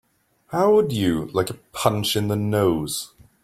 How would you like a punch in the nose?